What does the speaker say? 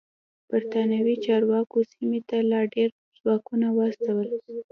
برېتانوي چارواکو سیمې ته لا ډېر ځواکونه واستول.